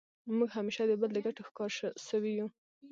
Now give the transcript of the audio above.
موږ همېشه د بل د ګټو ښکار سوي یو.